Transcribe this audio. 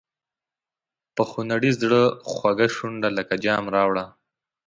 په خونړي زړه خوږه شونډه لکه جام راوړه.